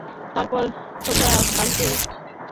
তারপর সোজা বাড়িতে চলে আসবি খোকা।